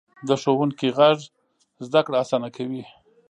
د ښوونکي غږ زده کړه اسانه کوي.